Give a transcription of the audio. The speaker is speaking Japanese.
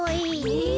え！